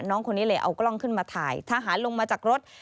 น้องคนนี้เลยเอากล้องขึ้นมาถ่ายทหารลงมาจากรถ